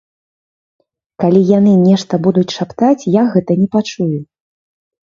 Калі яны нешта будуць шаптаць, я гэта не пачую.